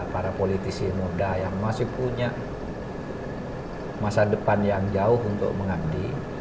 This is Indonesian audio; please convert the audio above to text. para politisi muda yang masih punya masa depan yang jauh untuk mengabdi